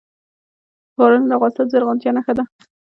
ښارونه د افغانستان د زرغونتیا نښه ده.